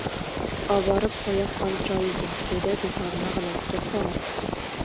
— Oborib qo‘ya qol joyiga, — dedi dutorni g‘ilofga solib.